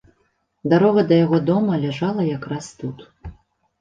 Дарога да яго дома ляжала якраз тут.